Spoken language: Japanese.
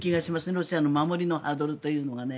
ロシアの守りのハードルというのが。